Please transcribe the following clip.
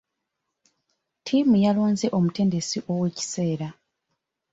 Ttiimu yalonze omutendesi ow'ekiseera.